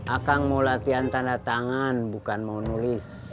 akang mau latihan tanda tangan bukan mau nulis